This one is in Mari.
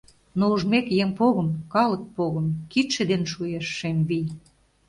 Но ужмек еҥ погым, калык погым, Кидше ден шуэш шем вий.